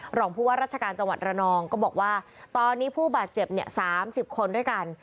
รองผู้ว่าราชการจังหวัดระนองก็บอกว่าตอนนี้ผู้บาดเจ็บเนี่ย๓๐คนด้วยกัน